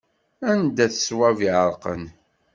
Anda-t ṣṣwab iɛerqan.